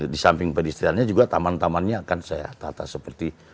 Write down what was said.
disamping pedestriannya juga taman tamannya akan sehat hata seperti